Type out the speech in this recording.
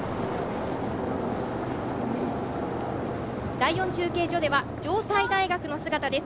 第４中継所では城西大学の姿です。